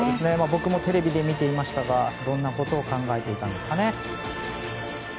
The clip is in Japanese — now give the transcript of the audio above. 僕もテレビで見ていましたがどんなことを考えていたんですかね。